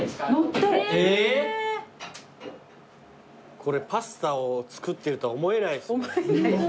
これパスタを作ってるとは思えないです。